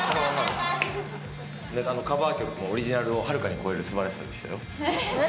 カバー曲もオリジナルをはるかに超える素晴らしさでしたよ。